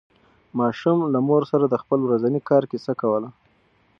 ماشوم له مور سره د خپل ورځني کار کیسه کوله